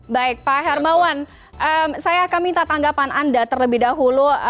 baik pak hermawan saya akan minta tanggapan anda terlebih dahulu